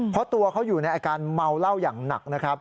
เพราะตัวเขาอยู่ในอาการเมาเหล้าอย่างหนักนะครับ